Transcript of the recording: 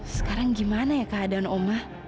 sekarang gimana ya keadaan omah